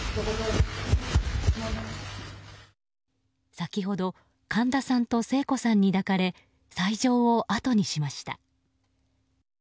先ほど神田さんと聖子さんに抱かれ斎場をあとにしました。